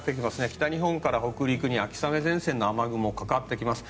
北日本から北陸に秋雨前線の雨雲がかかってきます。